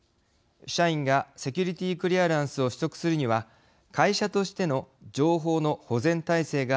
社員がセキュリティークリアランスを取得するには会社としての情報の保全体制が厳しく求められます。